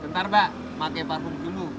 bentar pak pakai parfum dulu